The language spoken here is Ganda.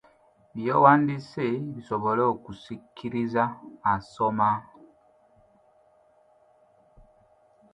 By’owandiise bisobole okusikiriza asoma.